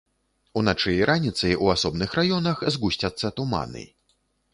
Уначы і раніцай у асобных раёнах згусцяцца туманы.